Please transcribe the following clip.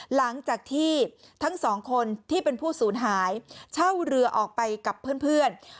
หลังจากที่ทั้งสองคนที่เป็นผู้สูญหายเช่าเรือออกไปกับเพื่อน